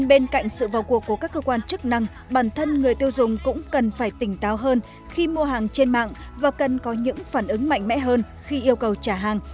bản thân người tiêu dùng cũng cần phải tỉnh táo hơn khi mua hàng trên mạng và cần có những phản ứng mạnh mẽ hơn khi yêu cầu trả hàng